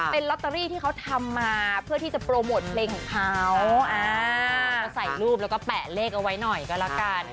เลขเอาไว้หน่อยก็ละกัน